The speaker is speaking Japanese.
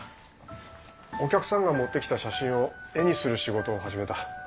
お客さんが持ってきた写真を絵にする仕事を始めた。